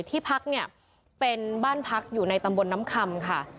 ที่พักเนี่ยเป็นบ้านพักอยู่ในตำบลน้ำคำค่ะ